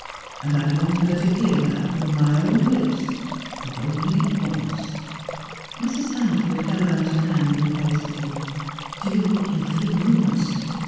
And I want her to hear that from my own lips, if only once." Mrs. Hannaford held out her hand impulsively. "Do what you feel you must.